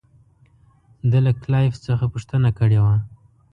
ده له کلایف څخه پوښتنه کړې وه.